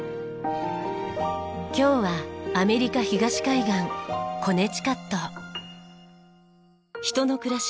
今日はアメリカ東海岸コネチカット。